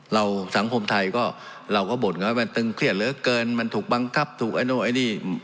สังคมไทยก็เราก็บ่นกันว่ามันตึงเครียดเหลือเกินมันถูกบังคับถูกไอ้โน่นไอ้นี่